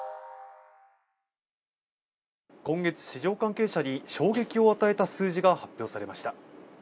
今月、市場関係者に衝撃を与えた数字が発表されました。